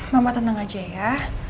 mama tenang aja ya